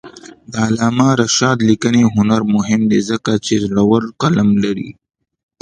د علامه رشاد لیکنی هنر مهم دی ځکه چې زړور قلم لري.